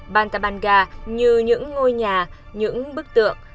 bantabanga như những ngôi nhà những bức tượng